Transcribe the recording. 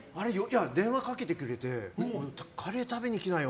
電話かけてくれてカレー食べに来なよ